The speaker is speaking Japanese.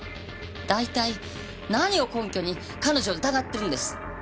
だいたい何を根拠に彼女を疑ってるんです？